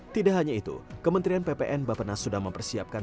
tidak hanya itu kementerian ppn bapak nas sudah mempersiapkan